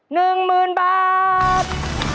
๑หมื่นบาท